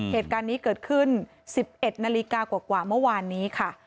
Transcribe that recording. เหตุการณ์นี้เกิดขึ้น๑๑นาฬิกากว่าเมื่อวานนี้ค่ะ